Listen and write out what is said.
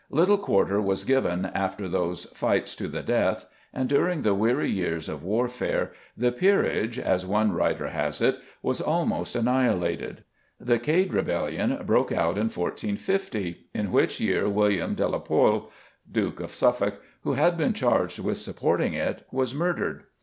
Little quarter was given after those fights to the death, and during the weary years of warfare the peerage, as one writer has it, "was almost annihilated." The Cade rebellion broke out in 1450, in which year William de la Pole, Duke of Suffolk, who had been charged with supporting it, was murdered.